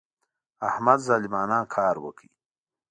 احمد ظالمانه کار وکړ.